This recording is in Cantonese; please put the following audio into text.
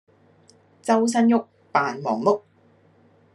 周身郁，扮忙碌